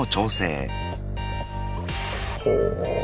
ほう。